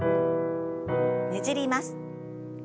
ねじります。